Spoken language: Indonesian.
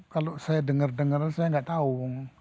kalau saya dengar dengar saya gak tahu